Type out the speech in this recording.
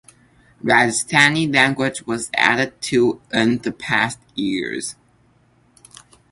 Rajasthani language was added to in the past years.